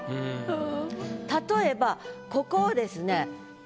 例えばここをですね